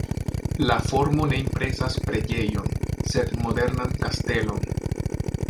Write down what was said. La formo ne impresas preĝejon, sed modernan kastelon.